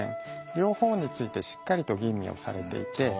両方についてしっかりと吟味をされていて。